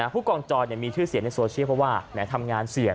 ผู้กองจอยมีชื่อเสียงในโซเชียลเพราะว่าแม้ทำงานเสี่ยง